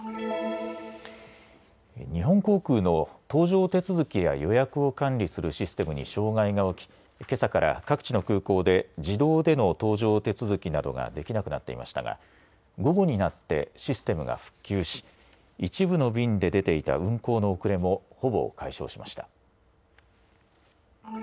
日本航空の搭乗手続きや予約を管理するシステムに障害が起き、けさから各地の空港で、自動での搭乗手続きなどができなくなっていましたが、午後になってシステムが復旧し、一部の便で出ていた運航の遅れもほぼ解消しました。